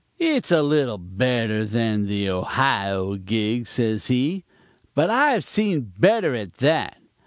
"'It's a little better than the Ohio gag,' says he, 'but I've seen better, at that.